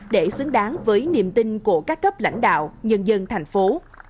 để xứng đáng với niềm tin của các cấp lãnh đạo nhân dân thành phố